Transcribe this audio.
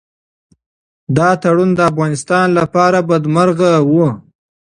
دا تړون د افغانستان لپاره بدمرغي وه.